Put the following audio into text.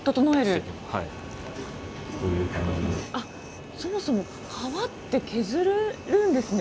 あそもそも革って削れるんですね。